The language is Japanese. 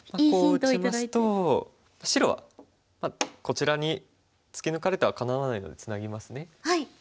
こう打ちますと白はこちらに突き抜かれてはかなわないのでツナぎますね。